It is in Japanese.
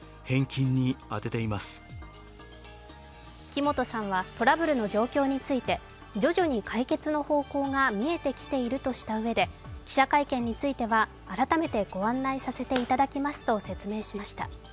木本さんはトラブルの状況について、徐々に解決の方向が見えてきているとしたうえで記者会見については改めてご案内させていただきますと説明しました。